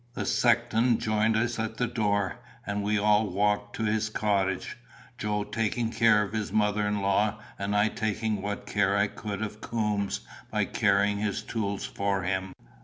The sexton joined us at the door, and we all walked to his cottage, Joe taking care of his mother in law and I taking what care I could of Coombes by carrying his tools for him.